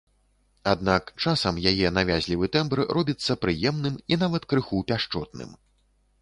Аднак часам яе навязлівы тэмбр робіцца прыемным і нават крыху пяшчотным.